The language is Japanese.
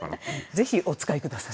ぜひお使い下さい。